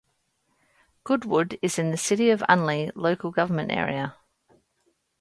Goodwood is in the City of Unley local government area.